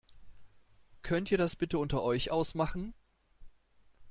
Könnt ihr das bitte unter euch ausmachen?